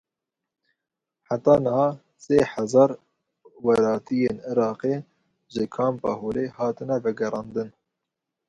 Heta niha sê hezar welatiyên Iraqê ji Kampa Holê hatine vegerandin.